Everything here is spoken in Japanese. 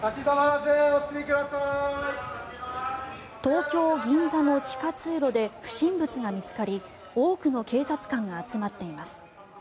東京・銀座の地下通路で不審物が見つかり多くの警察官が集まっています。